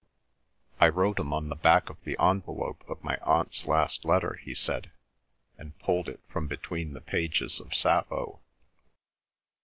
"I wrote 'em on the back of the envelope of my aunt's last letter," he said, and pulled it from between the pages of Sappho.